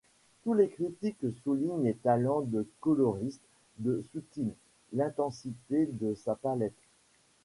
Tous les critiques soulignent les talents de coloriste de Soutine, l'intensité de sa palette.